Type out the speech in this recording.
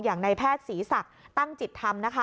อย่างในแพทย์ศรีศักดิ์ตั้งจิตธรรมนะคะ